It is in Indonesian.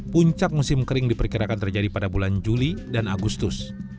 puncak musim kering diperkirakan terjadi pada bulan juli dan agustus